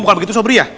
bukan begitu sobri ya